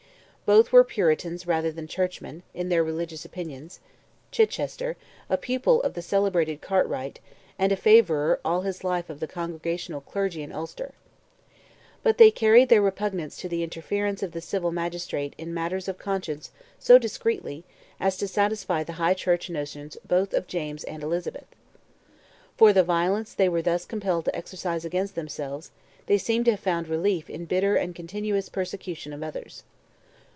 Both were Puritans rather than Churchmen, in their religious opinions; Chichester, a pupil of the celebrated Cartwright, and a favourer all his life of the congregational clergy in Ulster. But they carried their repugnance to the interference of the civil magistrate in matters of conscience so discreetly as to satisfy the high church notions both of James and Elizabeth. For the violence they were thus compelled to exercise against themselves, they seem to have found relief in bitter and continuous persecution of others.